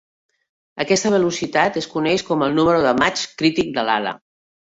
Aquesta velocitat es coneix com el número de Mach crític de l'ala.